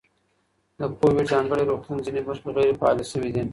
د کوویډ ځانګړي روغتون ځینې برخې غیر فعالې شوې دي.